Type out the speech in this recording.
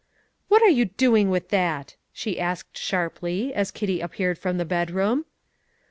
"What are you doing with that?" she asked sharply, as Kitty appeared from the bedroom.